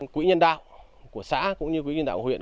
quỹ nhân đạo của xã cũng như quỹ nhân đạo huyện